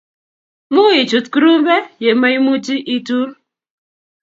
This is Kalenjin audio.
Muichut kurumbe ye maimuchi itul